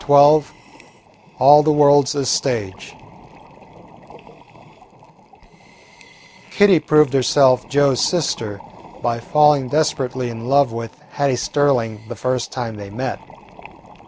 XII "ALL THE WORLD'S A STAGE" Kitty proved herself Joe's sister by falling desperately in love with Hattie Sterling the first time they met.